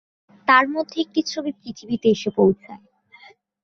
তার মধ্যে একটি ছবি পৃথিবীতে এসে পৌঁছায়।